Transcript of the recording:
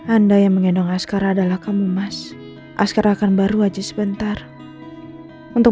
anda yang mengendong askara adalah kamu mas askara akan baru aja sebentar untuk